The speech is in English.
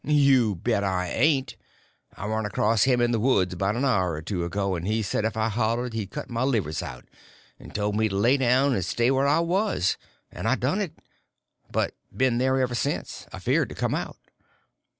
"You bet I ain't! I run across him in the woods about an hour or two ago, and he said if I hollered he'd cut my livers out—and told me to lay down and stay where I was; and I done it. Been there ever since; afeard to come out."